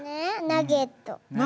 ナゲット。